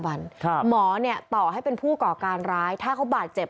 วันหมอเนี่ยต่อให้เป็นผู้ก่อการร้ายถ้าเขาบาดเจ็บ